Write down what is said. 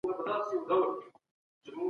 ولي ځينې ټولني په اقتصادي لحاظ شاته پاته دي؟